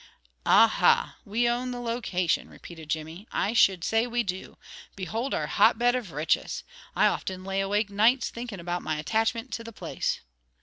"Aha! We own the location," repeated Jimmy. "I should say we do! Behold our hotbed of riches! I often lay awake nights thinkin' about my attachmint to the place.